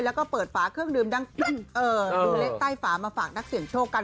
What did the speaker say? แล้วก็เปิดฝาเครื่องดื่มดังดูเลขใต้ฝามาฝากนักเสี่ยงโชคกัน